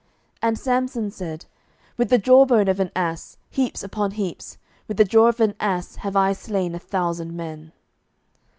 07:015:016 And Samson said, With the jawbone of an ass, heaps upon heaps, with the jaw of an ass have I slain a thousand men.